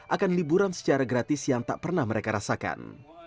akan liburan secara gratis yang tak pernah mereka rasakan